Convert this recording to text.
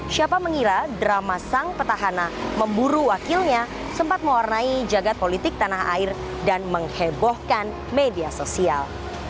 siapa mengira drama sang petahana memburu wakilnya sempat mewarnai jagad politik tanah air dan menghebohkan media sosial